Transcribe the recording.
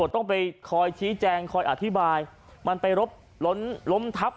ต้องไปคอยชี้แจงคอยอธิบายมันไปล้มทับ